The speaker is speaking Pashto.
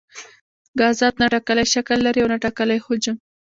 ګازات نه ټاکلی شکل لري او نه ټاکلی حجم.